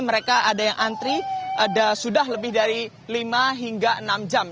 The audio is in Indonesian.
mereka ada yang antri sudah lebih dari lima hingga enam jam